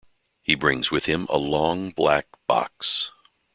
He brings with him a long, black box.